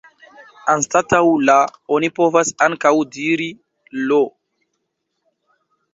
Anstataŭ « la » oni povas ankaŭ diri « l' ».